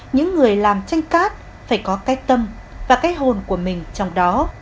những người làm tranh cát phải có cái tâm và cái hồn của mình trong đó